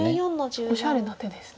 おしゃれな手ですね。